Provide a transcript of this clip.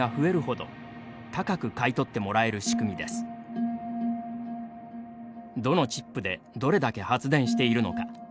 どのチップでどれだけ発電しているのか。